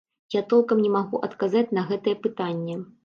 Я толкам не магу адказаць на гэтае пытанне.